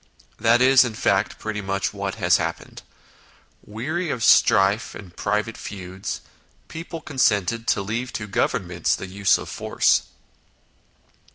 That is, in fact, pretty much what has happened : weary of strife and private feuds, people consented to leave to Governments the use of force.